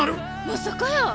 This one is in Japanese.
まさかやー。